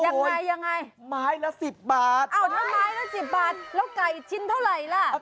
ยังไงยังไงไม้ละ๑๐บาทอ้าวถ้าไม้ละ๑๐บาทแล้วไก่ชิ้นเท่าไหร่ล่ะ